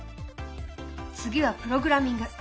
次はプログラミング。